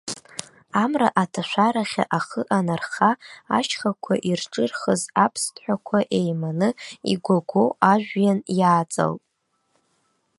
Амра аҭашәарахьы ахы анарха, ашьхақәа ирҿырхыз аԥсҭҳәақәа еиманы игәагәо ажәҩан иааҵалт.